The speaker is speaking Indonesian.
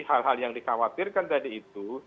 hal hal yang dikhawatirkan tadi itu